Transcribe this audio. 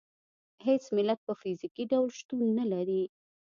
هېڅ ملت په فزیکي ډول شتون نه لري.